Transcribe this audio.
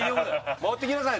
持ってきなさい